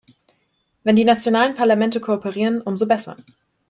Wenn die nationalen Parlamente kooperieren, um so besser.